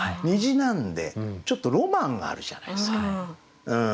なんでちょっとロマンがあるじゃないですか。